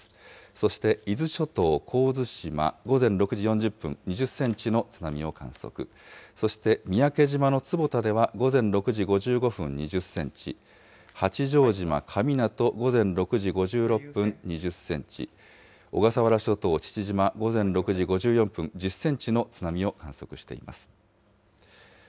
そして伊豆諸島神津島、午前６時４０分、２０センチの津波を観測、そして三宅島の坪田では午前６時５５分、２０センチ、八丈島神湊、午前６時５６分、２０センチ、小笠原諸島父島、午前６時５４分、１０センチの津波を観測しています。